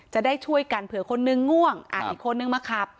จะได้ช่วยกันเผื่อคนนึงง่วงอีกคนนึงมาขับ